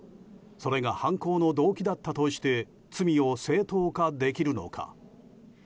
それが犯行の動機だったとして罪を正当化できるのか。